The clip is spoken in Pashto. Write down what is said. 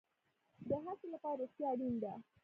د هڅې لپاره روغتیا اړین ده